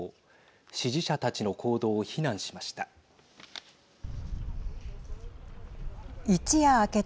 支持者たちの行動を非難しました。